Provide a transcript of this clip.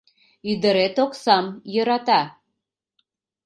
Ӱдырет оксам йӧрата.